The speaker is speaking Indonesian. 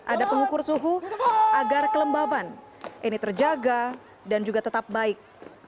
ada pengukur suhu agar kelembaban ini terjaga dan juga tetap baik